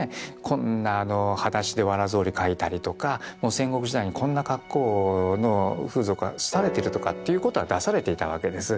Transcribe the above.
こんなはだしでわら草履描いたりとか戦国時代にこんな格好の風俗は廃れてるとかっていうことは出されていたわけです。